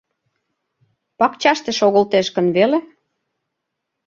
Пакчаште шогылтеш гын веле?